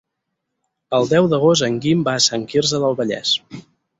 El deu d'agost en Guim va a Sant Quirze del Vallès.